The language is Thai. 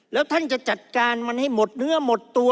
แล้วท่านจะจัดการมันให้หมดเนื้อหมดตัว